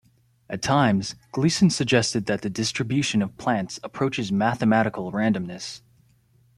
At times, Gleason suggested that the distribution of plants approaches mathematical randomness.